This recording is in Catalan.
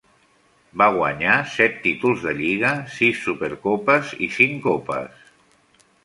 Va guanyar set títols de lliga, sis súper copes i cinc copes.